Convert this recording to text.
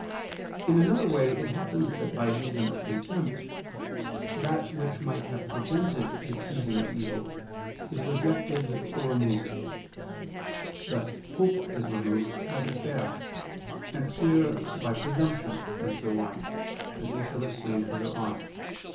In another way it happens that by reason of contempt, that which might have prevented the choosing of evil, is rejected or removed; thus hope is removed by despair, and fear by presumption, and so on, as we shall explain further on (QQ.